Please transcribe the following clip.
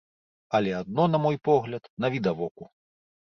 Але адно, на мой погляд, навідавоку.